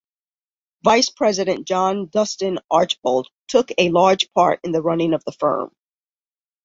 Vice-president John Dustin Archbold took a large part in the running of the firm.